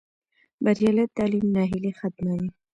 بریالی تعلیم ناهیلي ختموي.